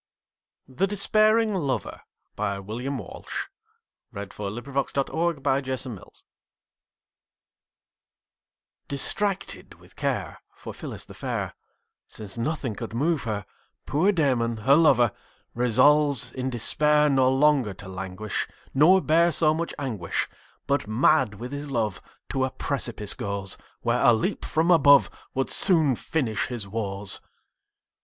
The Despairing Lover DISTRACTED with care, For Phillis the fair, Since nothing could move her, Poor Damon, her lover, Resolves in despair No longer to languish, Nor bear so much anguish; But, mad with his love, To a precipice goes; Where a leap from above Would soon finish his woes.